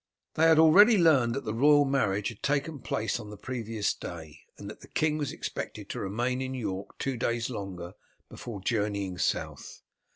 They had already learned that the royal marriage had taken place on the previous day, and that the king was expected to remain in York two days longer before journeying south.